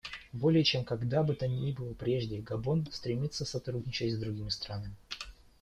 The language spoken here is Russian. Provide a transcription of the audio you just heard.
Более чем когда бы то ни было прежде Габон стремится сотрудничать с другими странами.